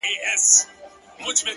• مړ به سم مړى به مي ورك سي گراني ـ